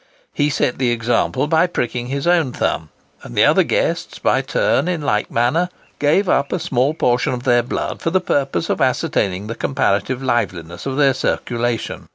He set the example by pricking his own thumb; and the other guests, by turns, in like manner, gave up a small portion of their blood for the purpose of ascertaining the comparative livelinesss of their circulation.